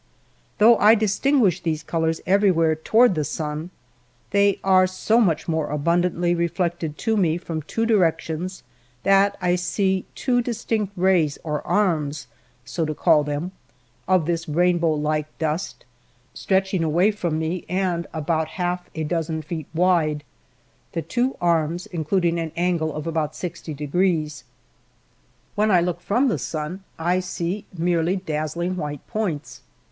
Though I distinguish these colors everywhere toward the sun, they are so much more abundantly reflected to me from two direc tions that I see two distinct rays or arms, so to Digitized by Google 884 WINTER. call them, of this rainbow like dust stretching away from me and about half a dozen feet wide, the two arms including an angle of about 60°. When I look from the sun, I see .merely daz zling white points.